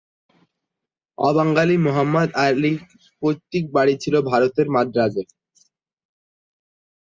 অবাঙালি মোহাম্মদ আলীর পৈতৃক বাড়ি ছিল ভারতের মাদ্রাজে।